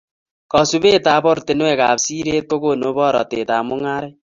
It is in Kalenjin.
Kosubetab ortinuek ab siret kokonu borotetab mung'aret